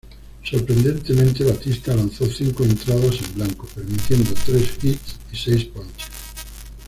Sorprendentemente, "Batista" lanzó cinco entradas en blanco, permitiendo tres hits y seis ponches.